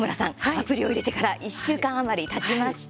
アプリを入れてから１週間余りたちました。